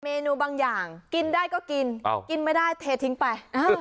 เมนูบางอย่างกินได้ก็กินกินไม่ได้เททิ้งไป